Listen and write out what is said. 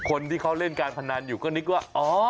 คนที่เขาเล่นการพนันอยู่ก็นึกว่าอ๋อ